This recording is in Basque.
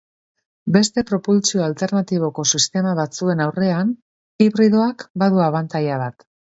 Beste propultsio alternatiboko sistema batzuen aurrean, hibridoak badu abantaila bat.